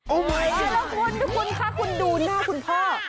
โอ้มายก็อดคุณทุกคนค่ะคุณดูหน้าคุณพ่อ